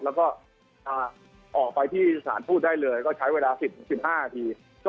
แล้วก็ออกไปที่สถานทูตได้เลยก็ใช้เวลา๑๕นาที